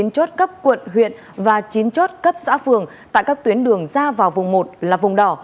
một mươi chốt cấp quận huyện và chín chốt cấp xã phường tại các tuyến đường ra vào vùng một là vùng đỏ